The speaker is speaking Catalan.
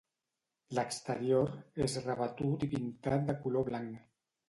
L'exterior és rebatut i pintat de color blanc.